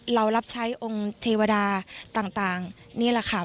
เรารับใช้องค์เทวดาต่างนี่แหละค่ะ